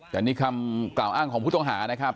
แต่นี่คำกล่าวอ้างของผู้ต้องหานะครับ